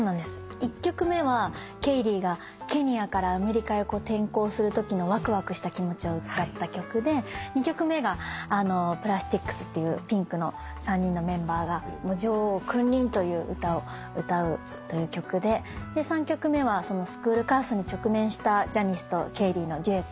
１曲目はケイディがケニアからアメリカへ転校するときのわくわくした気持ちを歌った曲で２曲目がプラスティックスっていうピンクの３人のメンバーが女王君臨という歌を歌うという曲で３曲目はスクールカーストに直面したジャニスとケイディのデュエットになってます。